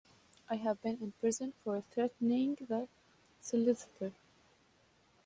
I have been in prison for threatening the solicitor.